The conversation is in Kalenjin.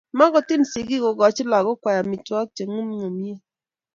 Mogotin sigik kokoch lagokwai amitwogik che kumkum ye h